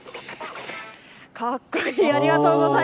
かっこいい。